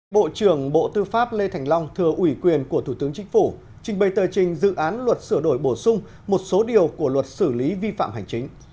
bộ trưởng bộ tư pháp lê thành long thừa ủy quyền của thủ tướng chính phủ trình bày tờ trình dự án luật sửa đổi bổ sung một số điều của luật xử lý vi phạm hành chính